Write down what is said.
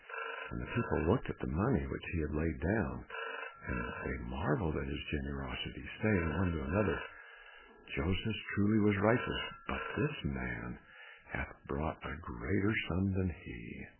And the people looked at the money which he had laid down, and they marvelled at his generosity, saying one to another, "Joses truly was righteous, but this man hath brought a greater sum than he."